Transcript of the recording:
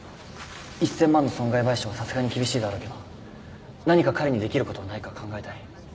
１，０００万の損害賠償はさすがに厳しいだろうけど何か彼にできることはないか考えたい。